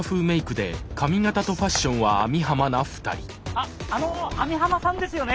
あっあの網浜さんですよね？